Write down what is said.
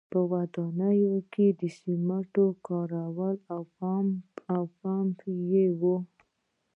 په ودانیو کې د سیمنټو کارول او پمپ یې و